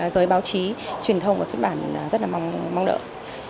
giới báo chí truyền thông và xuất bản rất là mong đợi